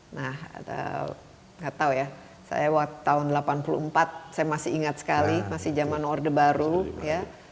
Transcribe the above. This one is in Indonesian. nah nggak tahu ya saya waktu tahun seribu sembilan ratus delapan puluh empat saya masih ingat sekali masih zaman orde baru ya